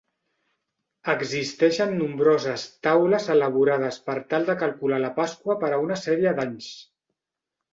Existien nombroses taules elaborades per tal de calcular la Pasqua per a una sèrie d'anys.